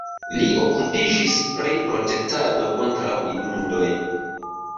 Li okupiĝis pri protektado kontraŭ inundoj.